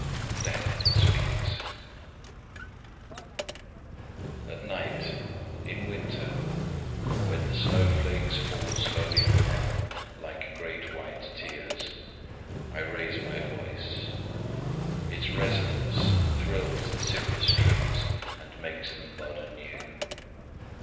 ]DEATH SPEAKS At night, in winter, when the snow flakes fall slowly from heaven like great white tears, I raise my voice; its resonance thrills the cypress trees and makes them bud anew.